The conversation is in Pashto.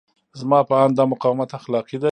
زما په اند دا مقاومت اخلاقي دی.